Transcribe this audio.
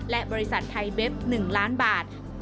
และบริษัทไทยเบฟ๑ล้านบาท